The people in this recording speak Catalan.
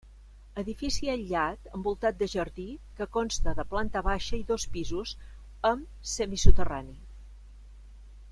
Edifici aïllat, envoltat de jardí, que consta de planta baixa i dos pisos, amb semisoterrani.